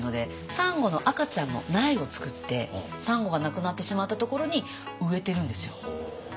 サンゴの赤ちゃんの苗を作ってサンゴがなくなってしまったところに植えてるんですよ。